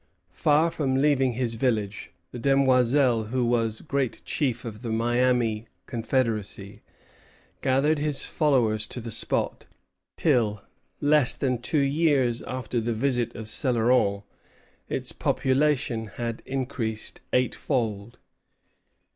Far from leaving his village, the Demoiselle, who was Great Chief of the Miami Confederacy, gathered his followers to the spot, till, less than two years after the visit of Céloron, its population had increased eightfold.